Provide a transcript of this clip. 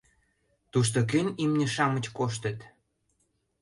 — Тушто кӧн имне-шамыч коштыт?